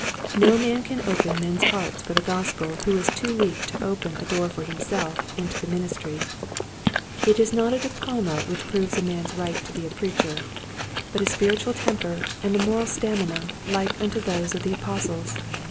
No man can open men's hearts for the Gospel who is too weak to open a door for himself into the 22 Quiet Hints to Growing Preachers. ministry. It is not a diploma which proves a man's right to be a preacher, but a spiritual temper and a moral stamina like unto those of the Apostles.